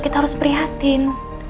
kita harus prihatin